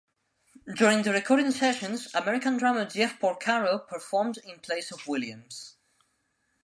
During the recording sessions, American drummer Jeff Porcaro performed in place of Williams.